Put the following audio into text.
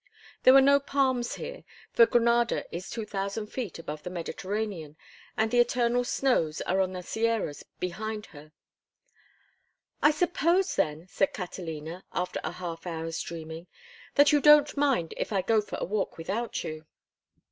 There were no palms here, for Granada is 2000 feet above the Mediterranean and the eternal snows are on the Sierras behind her. "I suppose, then," said Catalina, after a half hour's dreaming, "that you don't mind if I go for a walk without you?"